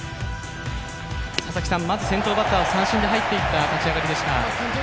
まず先頭バッターを三振で入っていった立ち上がりでした。